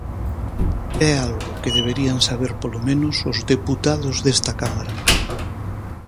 É algo que deberían saber polo menos os deputados desta Cámara.